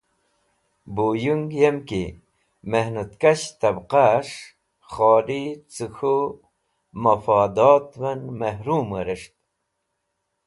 Buyung yemki, Mehnat Kash Tabqahes̃h Kholi ce K̃hu Mafadatven Mehrum Weres̃ht,